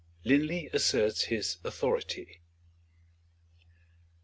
Linley Asserts His Authority.